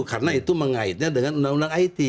karena itu mengaitnya dengan undang undang it